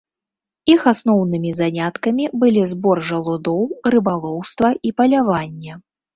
Іх асноўнымі заняткамі былі збор жалудоў, рыбалоўства і паляванне.